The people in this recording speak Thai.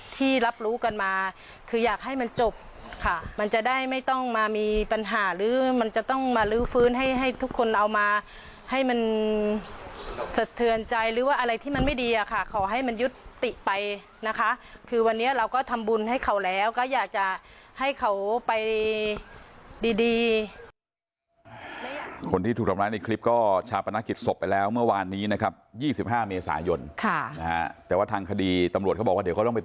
ที่รับรู้กันมาคืออยากให้มันจบค่ะมันจะได้ไม่ต้องมามีปัญหาหรือมันจะต้องมาลื้อฟื้นให้ให้ทุกคนเอามาให้มันสะเทือนใจหรือว่าอะไรที่มันไม่ดีอะค่ะขอให้มันยุติไปนะคะคือวันนี้เราก็ทำบุญให้เขาแล้วก็อยากจะให้เขาไปดีดีคนที่ถูกทำร้ายในคลิปก็ชาปนกิจศพไปแล้วเมื่อวานนี้นะครับ๒๕เมษายนค่ะนะฮะแต่ว่าทางคดีตำรวจเขาบอกว่าเดี๋ยวเขาต้องไป